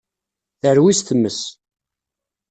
Terwi s tmes.